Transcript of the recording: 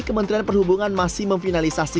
kementrian perhubungan masih memfinalisasi